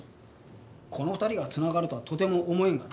この２人が繋がるとはとても思えんがな。